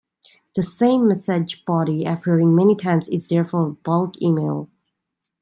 The same message body appearing many times is therefore bulk email.